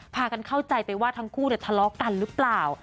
พากันเข้าใจไปว่าทั้งคู่ทะเลาะกันหรือเปล่า